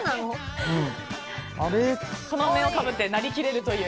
このお面をかぶって成りきれるという。